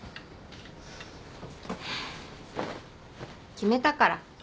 決めたから。